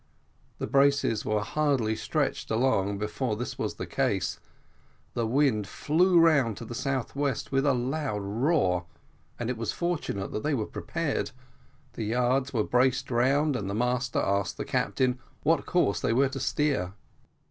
The braces were hardly stretched along before this was the case. The wind flew round to the south west with a loud roar, and it was fortunate that they were prepared the yards were braced round, and the master asked the captain what course they were to steer.